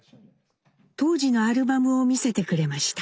当時のアルバムを見せてくれました。